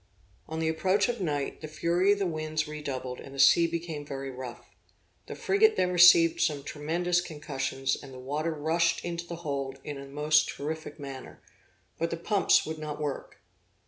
On the approach of night, the fury of the winds redoubled, and the sea became very rough. The frigate then received some tremendous concussions, and the water rushed into the hold in the most terrific manner, but the pumps would not work.